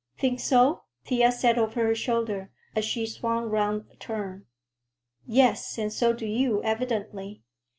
"Think so?" Thea said over her shoulder, as she swung round a turn. "Yes, and so do you, evidently.